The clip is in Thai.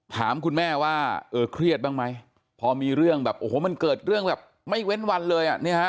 ถามคุณแม่ว่าเออเครียดบ้างไหมพอมีเรื่องแบบโอ้โหมันเกิดเรื่องแบบไม่เว้นวันเลยอ่ะเนี่ยฮะ